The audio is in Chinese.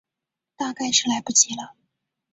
大概是来不及了